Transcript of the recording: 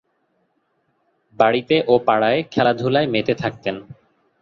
বাড়িতে ও পাড়ায় খেলাধূলায় মেতে থাকতেন।